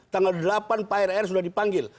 tanggal delapan pak rr sudah dipanggil